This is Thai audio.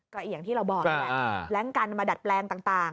ก็อย่างที่เราบอกนี่แหละแล้งกันมาดัดแปลงต่าง